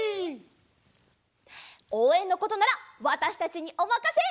おうえんのことならわたしたちにおまかせ！